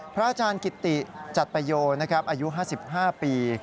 พระอาจารย์กิตติจัดประโยชน์นะครับอายุ๕๕ปี